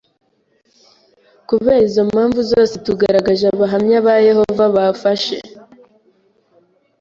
Kubera izo mpamvu zose tugaragaje Abahamya ba Yehova bafashe